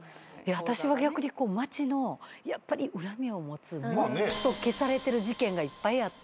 私は逆に町の恨みを持つもっと消されてる事件がいっぱいあって。